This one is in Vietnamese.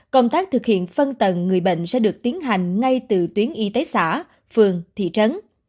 công tác thực hiện phân tầng người bệnh sẽ được tiến hành ngay từ tuyến y tế xã phường thị trấn